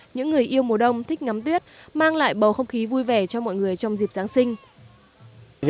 những người yêu mùa đông thích ngắm tuyết mang lại bầu không khí vui vẻ cho mọi người trong dịp giáng sinh